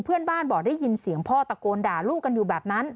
บอกได้ยินเสียงพ่อตะโกนด่าลูกกันอยู่แบบนั้น